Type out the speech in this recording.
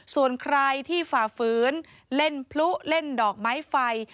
ส่วนใครที่ฝ่าฝืนเล่นพลุเล่นดอกไม้ไฟ